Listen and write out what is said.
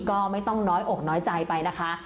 ก็ไม่ต้องน้อยอกน้อยใจไปนะคะ